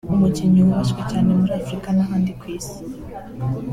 umukinnyi wubashywe cyane muri Afurika n’ahandi ku isi